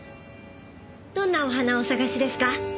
どんなお花をお探しですか？